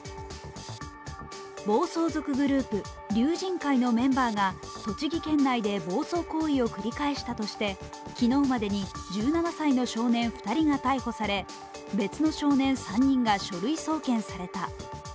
暴走族グループ・龍神會のメンバーが栃木県内で暴走行為を繰り返したとして昨日までに１７歳の少年２人が逮捕され、別の少年３人が書類送検された。